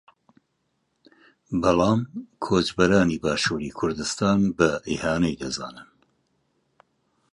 بەڵام کۆچبەرانی باشووری کوردستان بە ئیهانەی دەزانن